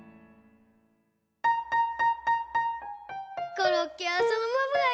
コロッケはそのままがいいよ。